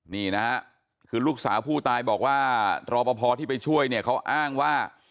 นี่นะฮะคือลูกสาวผู้ตายบอกว่ารอปภที่ไปช่วยเนี่ยเขาอ้างว่า